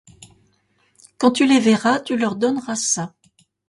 Quand tu les verras, tu leur donneras ça.